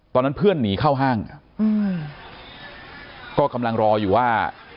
ตอนนั้นเพื่อนหนีเข้าห้างก็กำลังรออยู่ว่า